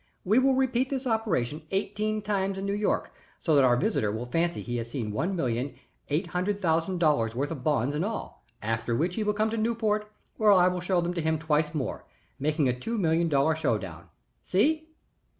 We will repeat this operation eighteen times in New York so that our visitor will fancy he has seen one million eight hundred thousand dollars' worth of bonds in all, after which he will come to Newport, where I will show them to him twice more making a two million dollar show down. See?"